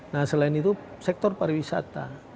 nah selain itu sektor pariwisata